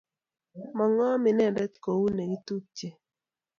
Mangom inendet kuu negitupche